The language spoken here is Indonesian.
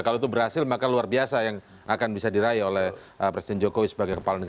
kalau itu berhasil maka luar biasa yang akan bisa diraih oleh presiden jokowi sebagai kepala negara